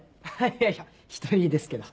いやいや１人ですけど。